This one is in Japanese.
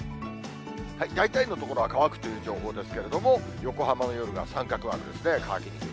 大体の所は乾くという情報ですけれども、横浜の夜が三角マークですね、乾きにくい。